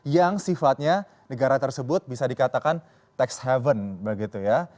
yang sifatnya negara tersebut bisa dikatakan tax haven begitu ya